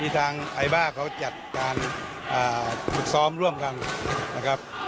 ทางไอบ้าเขาจัดการฝึกซ้อมร่วมกันนะครับ